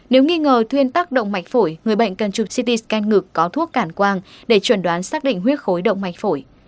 nếu nghi ngờ thuyên tác động mạch phổi người bệnh cần chụp ct scan ngực có thuốc cản quang để chuẩn đoán xác định huyết khối động mạch phổi